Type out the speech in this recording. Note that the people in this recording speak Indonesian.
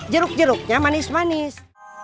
jeruk jeruk ya manis manis